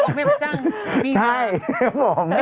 พอแม่ไปจ้างของพี่แม่